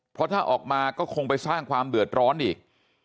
เพราะถ้าออกมาก็คงไปสร้างความเดือดร้อนอีก